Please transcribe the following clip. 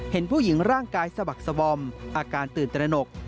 เห็นผู้หญิงร่างกายสะบักสบอมอาการตื่นตระหนก